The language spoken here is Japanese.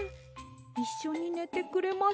いっしょにねてくれませんか？